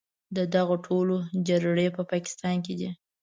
د دغو ټولو جرړې په پاکستان کې دي.